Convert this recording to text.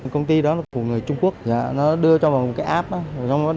công ty đó là của người trung quốc nó đưa cho vào một cái app